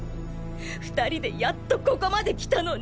２人でやっとここまできたのに！